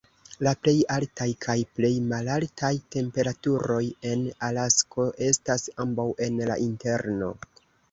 La plej altaj kaj plej malaltaj temperaturoj en Alasko estas ambaŭ en la Interno.